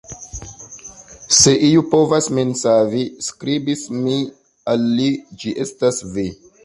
"Se iu povas min savi, skribis mi al li, ĝi estas vi."